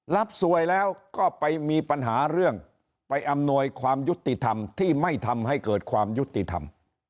รับสวยแล้วก็ไปมีปัญหาเรื่องไปอำนวยความยุติธรรมที่ไม่ทำให้เกิดความยุติธรรม